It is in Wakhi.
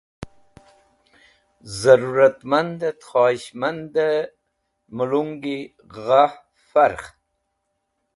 Zẽrũratmandẽt khoyishmandẽ mẽlung g̃hã farkh.